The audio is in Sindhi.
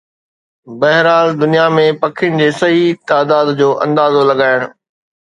بهرحال، دنيا ۾ پکين جي صحيح تعداد جو اندازو لڳائڻ